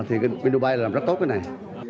thì dubai làm rất tốt cái này